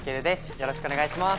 よろしくお願いします